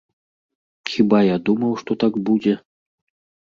Хіба я думаў, што так будзе?